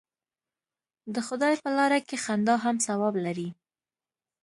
د خدای په لاره کې خندا هم ثواب لري.